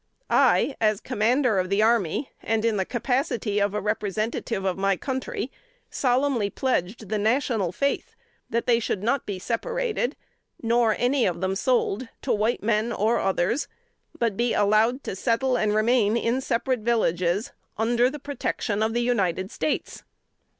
I, as commander of the army, and in the capacity of representative of my country, solemnly pledged the national faith that they should not be separated, nor any of them sold to white men or others, but be allowed to settle and remain in separate villages, UNDER THE PROTECTION OF THE UNITED STATES."